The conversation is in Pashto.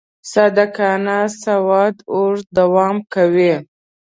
صادقانه سودا اوږده دوام کوي.